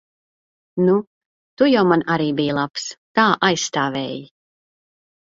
Nu, tu jau man arī biji labs. Tā aizstāvēji.